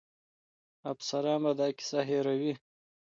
افسران به دا کیسه هېروي.